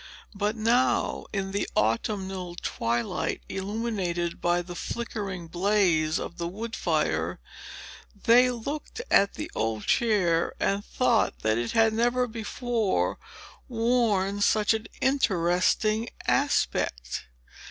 But now, in the autumnal twilight, illuminated by the flickering blaze of the wood fire, they looked at the old chair and thought that it had never before worn such an interesting aspect.